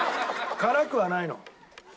辛くはないの？